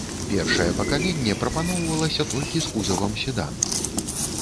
Першае пакаленне прапаноўвалася толькі з кузавам седан.